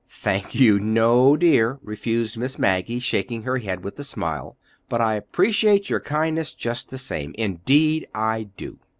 "Thank you, no, dear," refused Miss Maggie, shaking her head with a smile. "But I appreciate your kindness just the same—indeed, I do!"